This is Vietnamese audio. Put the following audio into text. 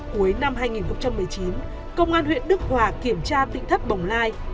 cuối năm hai nghìn một mươi chín công an huyện đức hòa kiểm tra tỉnh thất bồng lai